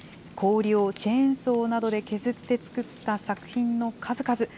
氷をチェーンソーなどで削って作った作品の数々。